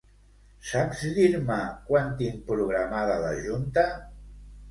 Saps dir-me quan tinc programada la junta?